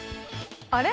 あれ？